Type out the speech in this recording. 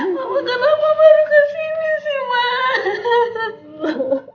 mama kenapa baru kesini sih mama